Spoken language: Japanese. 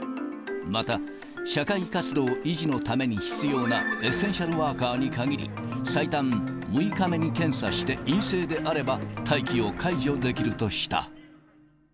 また、社会活動維持のために必要なエッセンシャルワーカーに限り、最短６日目に検査して陰性であれば、待機を解除できるとした。